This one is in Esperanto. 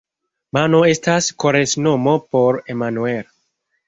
Mano estas karesnomo por Emmanuel.